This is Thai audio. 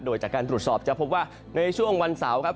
โดยจากการตรวจสอบจะพบว่าในช่วงวันเสาร์ครับ